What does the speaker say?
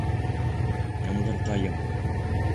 — Ямғырҡайым!